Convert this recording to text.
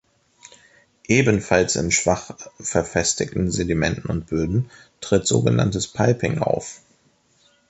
Ebenfalls in schwach verfestigten Sedimenten und Böden tritt sogenanntes Piping auf.